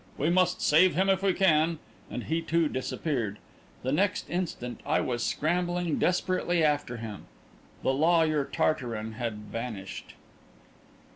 "We must save him if we can!" and he, too, disappeared. The next instant, I was scrambling desperately after him. The lawyer Tartarin had vanished!